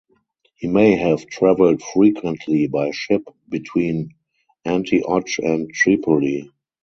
He may have travelled frequently by ship between Antioch and Tripoli.